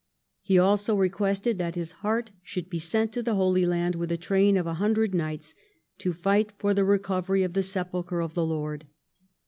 He also requested that his heart should be sent to the Holy Land with a train of a hundred knights to fight for the recovery of the Sepulchre of the Lord.